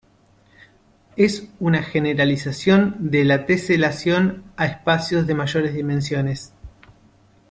Es una generalización de la teselación a espacios de mayores dimensiones.